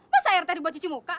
masa air teh dibuat cuci muka